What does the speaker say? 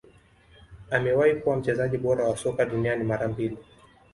Amewahi kuwa mchezaji bora wa soka duniani mara mbili